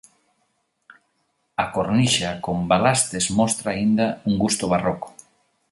A cornixa con balastes mostra aínda un gusto barroco.